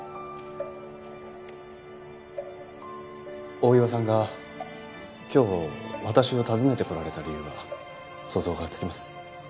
大岩さんが今日私を訪ねてこられた理由は想像がつきます。